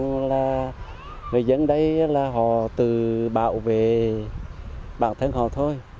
người dân đây là họ từ bảo vệ bản thân họ thôi